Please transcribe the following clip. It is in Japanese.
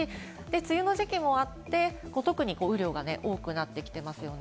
梅雨の時期もあって、特に雨量が多くなってきていますね。